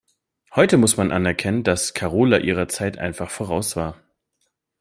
Heute muss man anerkennen, dass Karola ihrer Zeit einfach voraus war.